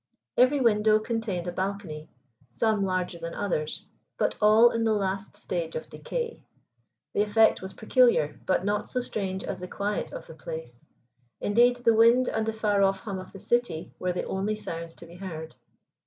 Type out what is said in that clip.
Every window contained a balcony, some larger than others, but all in the last stage of decay. The effect was peculiar, but not so strange as the quiet of the place; indeed, the wind and the far off hum of the city were the only sounds to be heard.